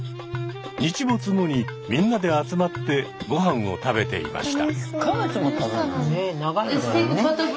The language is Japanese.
日没後にみんなで集まってごはんを食べていました。